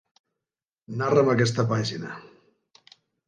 Narra'm aquesta pàgina.